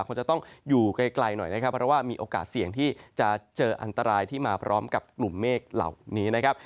คงจะต้องอยู่ไกลหน่อยนะครับเพราะว่ามีโอกาสเสี่ยงที่จะเจออันตรายที่มาพร้อมกับกลุ่มเมฆเหล่านี้นะครับ